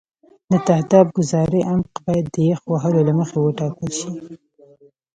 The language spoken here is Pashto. د تهداب ګذارۍ عمق باید د یخ وهلو له مخې وټاکل شي